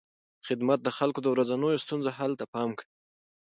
خدمت د خلکو د ورځنیو ستونزو حل ته پام کوي.